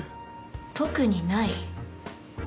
特にない？